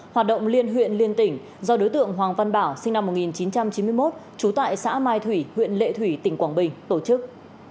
hoạt động liên huyện liên tỉnh do đối tượng hoàng văn bảo sinh năm một nghìn chín trăm chín mươi một trú tại xã mai thủy huyện lệ thủy tỉnh quảng bình tổ chức